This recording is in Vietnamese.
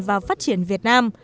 vào phát triển đất nước